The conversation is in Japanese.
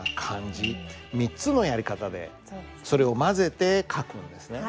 ３つのやり方でそれを交ぜて書くんですね。